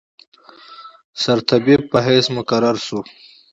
سرطبیب په حیث مقرر شو.